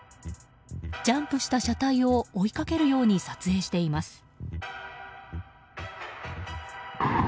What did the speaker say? ジャンプした車体を追いかけるように撮影しています。